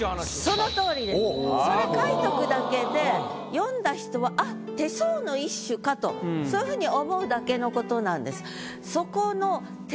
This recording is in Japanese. それ書いとくだけで読んだ人はあっ手相の一種かとそういうふうに思うだけのことなんです。